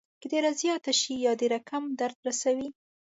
که ډېره زیاته شي یا ډېره کمه درد رسوي.